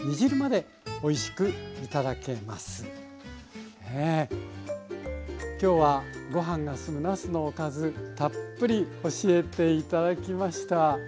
ね今日はご飯が進むなすのおかずたっぷり教えて頂きました。